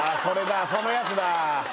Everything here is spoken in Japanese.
それだそのやつだ！